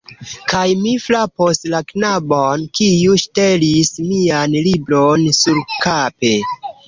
Kaj mi frapos la knabon kiu ŝtelis mian libron surkape